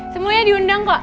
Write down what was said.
semuanya diundang kok